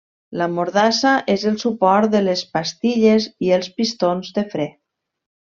La mordassa és el suport de les pastilles i els pistons de fre.